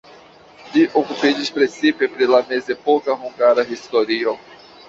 Li okupiĝis precipe pri la mezepoka hungara historio.